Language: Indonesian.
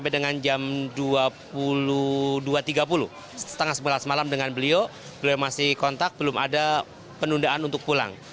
dan jam dua puluh dua tiga puluh setengah sebelas malam dengan beliau beliau masih kontak belum ada penundaan untuk pulang